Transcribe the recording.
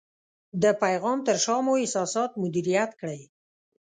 د پیغام تر شا مو احساسات مدیریت کړئ.